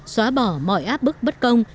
xóa bỏ mọi áp bức bất công